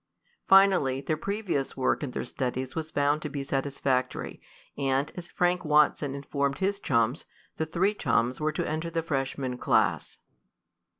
Finally, their previous work in their studies was found to be satisfactory, and, as Frank Watson informed his chums, the three chums were to enter the freshman class.